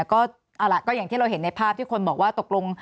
ก็อย่างที่เราเห็นในภาพที่คนบอกว่าตกลง